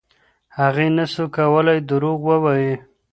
هغه نسي کولای دروغ ووایي.